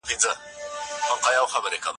زه اجازه لرم چي مکتب ته لاړ شم.